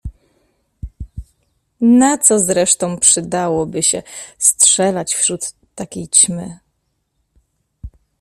Na co zresztą przydałoby się strzelać wśród takiej ćmy?